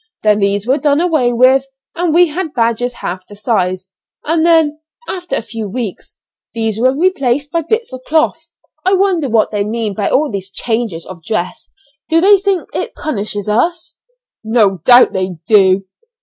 Then these were done away with, and we had badges half the size, and then, after a few weeks, these were replaced by bits of cloth. I wonder what they mean by all these changes of dress? Do they think it punishes us?" "No doubt they do."